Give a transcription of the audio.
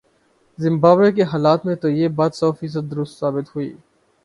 Zimbabwe کے حالات میں تو یہ بات سوفیصد درست ثابت ہوئی۔